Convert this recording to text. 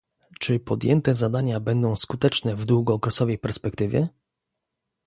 Czy podjęte zadania będą skuteczne w długookresowej perspektywie?